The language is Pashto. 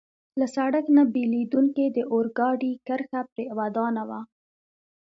له سړک نه بېلېدونکې د اورګاډي کرښه پرې ودانوه.